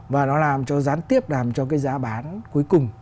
và nó làm cho gián tiếp làm cho cái giá bán cuối cùng tăng cao